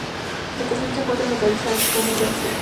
La estación se encuentra localizada en Commercial St.